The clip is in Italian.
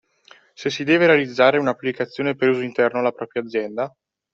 Se si deve realizzare un’applicazione per uso interno alla propria azienda